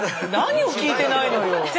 何を聞いてないのよ。